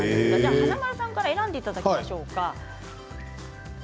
華丸さんから選んでいただきましょうか。